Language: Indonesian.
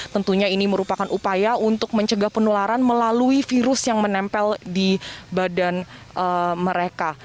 tentunya ini merupakan upaya untuk mencegah penularan melalui virus yang menempel di badan mereka